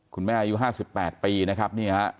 คุณแม่อายุ๕๘ปีนะครับ